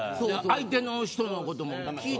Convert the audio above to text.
相手の人のことも。